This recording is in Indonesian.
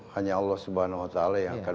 hanya allah swt yang akan